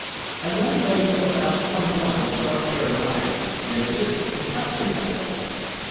"A young lady of about twenty one with dark hair and eyes, and a beautiful complexion," I said.